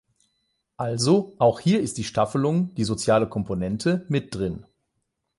Also, auch hier ist die Staffelung, die soziale Komponente, mit drin.